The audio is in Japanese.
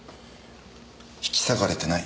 引き裂かれてない。